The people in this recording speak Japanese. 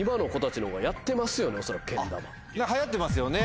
はやってますよね。